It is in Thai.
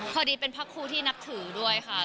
พอดีเป็นพระครูที่นับถือด้วยค่ะ